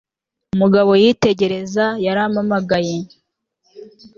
Umugabo yitegereza yarampamagaye